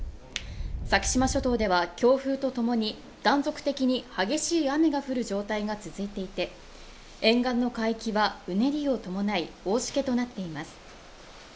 先島諸島では強風とともに断続的に激しい雨が降る状態が続いていて沿岸の海域はうねりを伴い大しけとなっています